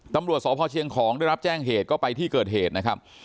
ตำรวจสพเชียงของได้รับแจ้งเหตุก็ไปที่เกิดเหตุนะครับ